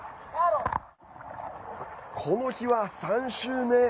この日は３週目。